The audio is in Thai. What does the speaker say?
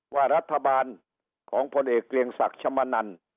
ว่ารัฐบาลของพลเอกเกรียงศักดิ์ชมนัน